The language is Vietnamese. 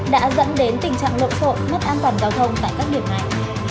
đã dẫn đến tình trạng lộn xộn mất an toàn giao thông tại các điểm này